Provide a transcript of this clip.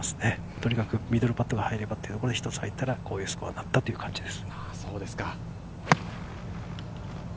とにかくミドルパットが入ればというところで入ったらこういうスコアになったという感じです。